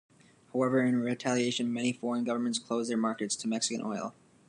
However, in retaliation, many foreign governments closed their markets to Mexican oil.